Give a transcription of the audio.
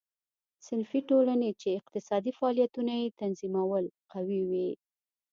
صنفي ټولنې چې اقتصادي فعالیتونه یې تنظیمول قوي وې.